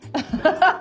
ハハハハ！